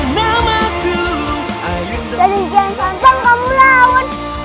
jadi jangan santan kamu lah